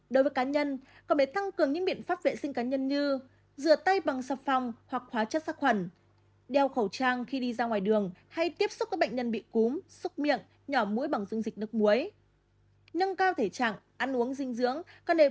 đối với cá nhân có thể tăng cường những biện pháp vệ sinh cá nhân như rửa tay bằng sạp phòng hoặc khóa chất sắc khuẩn đeo khẩu trang khi đi ra ngoài đường hay tiếp xúc các bệnh nhân bị cúm xúc miệng nhỏ mũi bằng dương dịch nước muối